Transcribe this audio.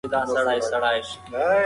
تاسو ولې زما پیغام ته ځواب نه راکوئ؟